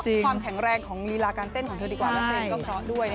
ความแข็งแรงของลีลาการเต้นของเธอดีกว่าแล้วเพลงก็เพราะด้วย